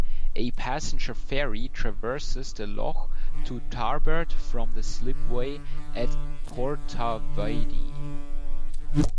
A passenger ferry traverses the loch to Tarbert from the slipway at Portavadie.